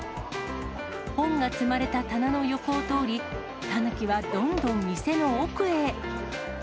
本が積まれた棚の横を通り、タヌキはどんどん店の奥へ。